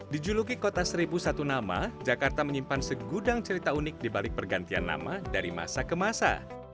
dijuluki kota seribu satu nama jakarta menyimpan segudang cerita unik dibalik pergantian nama dari masa ke masa